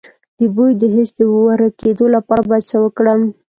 د بوی د حس د ورکیدو لپاره باید څه وکړم؟